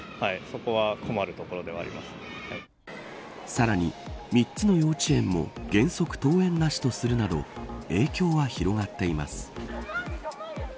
さらに３つの幼稚園も原則、登園なしとするなど影響は広がっています。